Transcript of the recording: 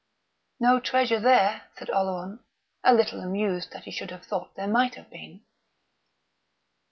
"No treasure there," said Oleron, a little amused that he should have fancied there might have been.